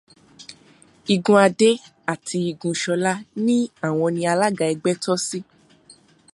Igun Àdé àti igun Ṣọlá ní àwọn ni alága ẹgbẹ́ tọ́ sí